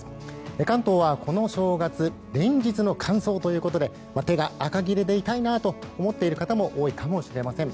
関東はこの正月連日の乾燥ということで手があかぎれで痛いなと思っている方も多いかもしれません。